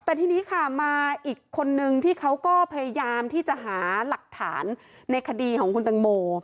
แต่ทีนี้ค่ะมาอีกคนนึงที่เขาก็พยายามที่จะหาหลักฐานในคดีของคุณตังโม